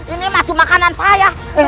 ini masuk makanan saya